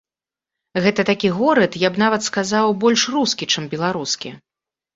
Гэта такі горад, я б нават сказаў, больш рускі, чым беларускі.